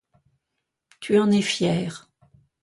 Tu en es fière.